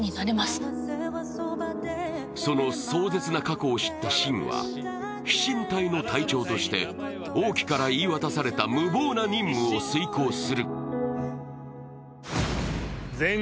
その壮絶な過去を知った信は飛信隊の体調として王騎から言い渡された無謀な任務を遂行する。